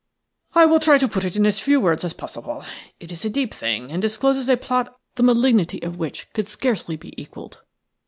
"I will try to put it in as few words as possible. It is a deep thing, and discloses a plot the malignity of which could scarcely be equalled.